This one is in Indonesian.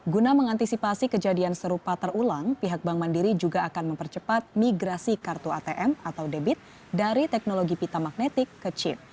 guna mengantisipasi kejadian serupa terulang pihak bank mandiri juga akan mempercepat migrasi kartu atm atau debit dari teknologi pita magnetik ke chip